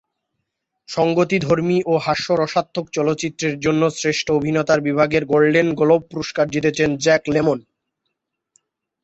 সঙ্গীতধর্মী বা হাস্যরসাত্মক চলচ্চিত্রের জন্য শ্রেষ্ঠ অভিনেতা বিভাগে গোল্ডেন গ্লোব পুরস্কার জিতেছেন জ্যাক লেমন।